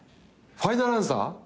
ファイナルアンサー。